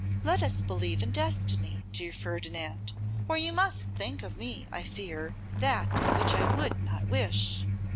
Let us believe in destiny, dear Ferdinand, or you must think of me, I fear, that which I would not wish.